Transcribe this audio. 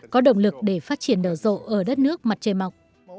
có động lực để phát triển nở rộ ở đất nước mặt trời mọc